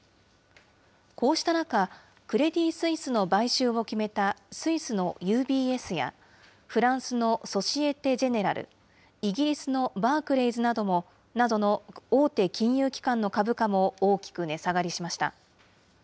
こうした中、クレディ・スイスの買収を決めたスイスのＵＢＳや、フランスのソシエテ・ジェネラル、イギリスのバークレイズなどの大手金融機関の株価も大きく値下がりしました。